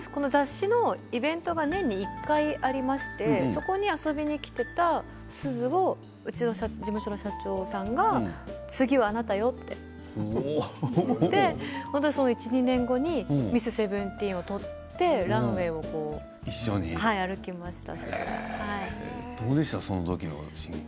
雑誌のイベントが年に１回あってそこに遊びに来ていた、すずを事務所の社長さんが次はあなたよと言って１、２年後にミスセブンティーンを取ってランウエーを一緒に歩きました。